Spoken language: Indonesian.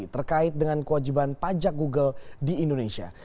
terkait dengan kewajiban pajak google di indonesia